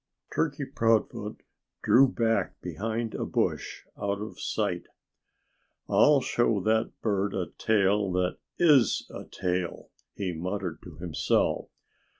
Turkey Proudfoot drew back behind a bush, out of sight. "I'll show that bird a tail that is a tail," he muttered to himself.